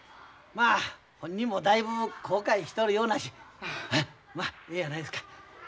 まあ本人もだいぶ後悔しとるようなしまあええやないですか。